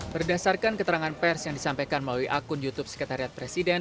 berdasarkan keterangan pers yang disampaikan melalui akun youtube sekretariat presiden